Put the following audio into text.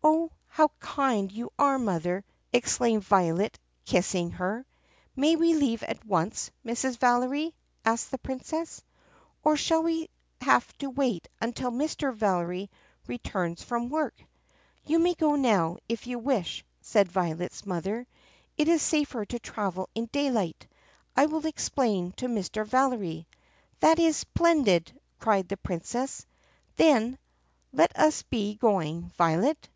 "Oh, how kind you are, mother!" exclaimed Violet kissing her. "May we leave at once, Mrs. Valery*?" asked the Princess. "Or shall we have to wait until Mr. Valery returns from work *?" "You may go now, if you wish," said Violet's mother. "It is safer to travel in daylight. I will explain to Mr. Valery." "That is splendid!" cried the Princess. Then, "Let us be going, Violet."